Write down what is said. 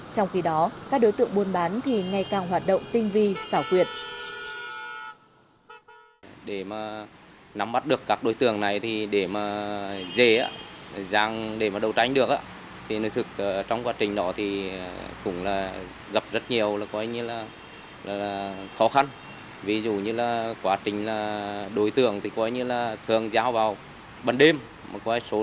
trong khi đó các đối tượng buôn bán thì ngày càng hoạt động tinh vi xảo quyệt